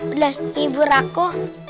udah hibur aku